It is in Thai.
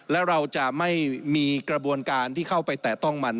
แล้วเราจะไม่มีกระบวนการที่เข้าไปแตะต้องมัน